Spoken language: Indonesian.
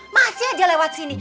masih aja lewat sini